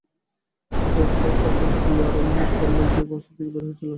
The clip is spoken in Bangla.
ভাই বের হওয়ার দুই আড়াই মিনিট পর মেয়েটিও বাসা থেকে বের হয়েছিল।